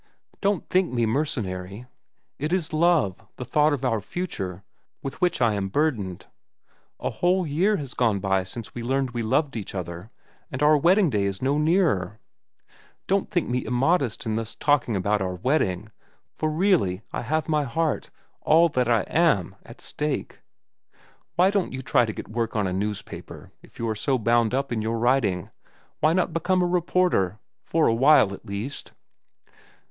Don't think me mercenary. It is love, the thought of our future, with which I am burdened. A whole year has gone by since we learned we loved each other, and our wedding day is no nearer. Don't think me immodest in thus talking about our wedding, for really I have my heart, all that I am, at stake. Why don't you try to get work on a newspaper, if you are so bound up in your writing? Why not become a reporter?—for a while, at least?"